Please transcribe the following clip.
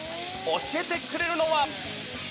教えてくれるのは。